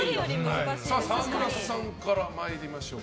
沢村さんから参りましょう。